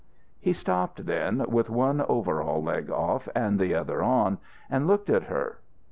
He stopped then, with one overall leg off and the other on, and looked at her.